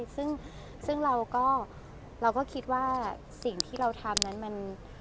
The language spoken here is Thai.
ซึ่งเราก็คิดว่าสิ่งที่เราทำนั้นมัน